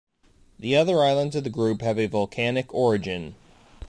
The other islands of the group have a volcanic origin.